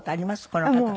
この方と。